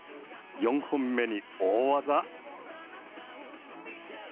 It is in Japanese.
４本目に大技。